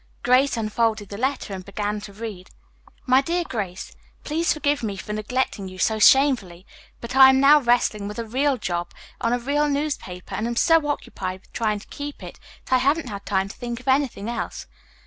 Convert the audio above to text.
Grace unfolded the letter and began to read: "MY DEAR GRACE: "Please forgive me for neglecting you so shamefully, but I am now wrestling with a real job on a real newspaper and am so occupied with trying to keep it that I haven't had time to think of anything else.